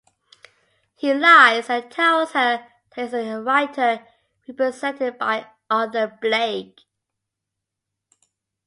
He lies and tells her that he is a writer represented by Arthur Blake.